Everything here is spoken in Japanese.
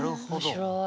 面白い。